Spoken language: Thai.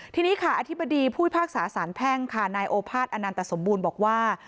ทีนี้ค่ะอธิบดีผู้พิพากษาสารแพ่งค่ะนายโอภาษอนันตสมบูรณ์บอกว่า